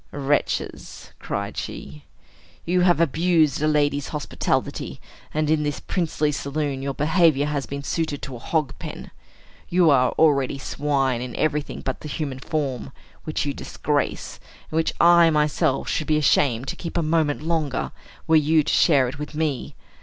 "Wretches," cried she, "you have abused a lady's hospitality; and in this princely saloon your behavior has been suited to a hog pen. You are already swine in everything but the human form, which you disgrace, and which I myself should be ashamed to keep a moment longer, were you to share it with me.